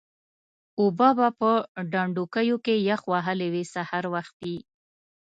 اوبه به په ډنډوکیو کې یخ وهلې وې سهار وختي.